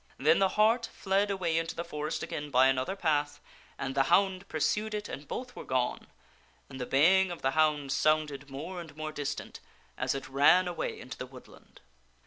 Then the hart fled away into the forest again by another path, and the hound pursued it and both were gone, and the bay ing of the hound sounded more and more distant as it ran away into the woodland.